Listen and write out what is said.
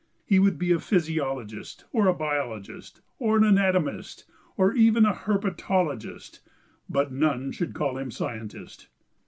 He would be a physiologist or a biologist or an anatomist or even a herpetologist, but none should call him "scientist."